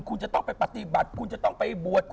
คุณจะต้องไปปฏิบัติคุณจะต้องไปบวช